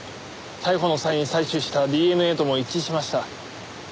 逮捕の際に採取したＤＮＡとも一致しました。